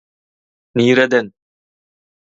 Nireden